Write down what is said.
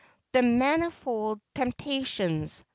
The manifold temptations.